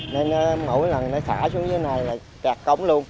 nên mỗi lần nó thả xuống dưới này là cạt cổng luôn